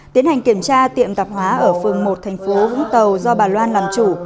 tiến hành kiểm tra tiệm tạp hóa ở phường một tp vũng tàu do bà loan làm chủ